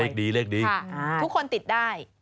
ทุกคนติดได้